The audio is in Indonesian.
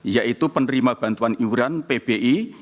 yaitu penerima bantuan iuran pbi